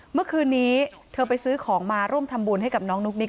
เมื่อคืนนี้เธอไปซื้อของมาร่วมทำบุญให้กับน้องนุ๊กนิก